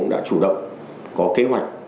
đã chủ động có kế hoạch